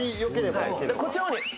こっちの方に。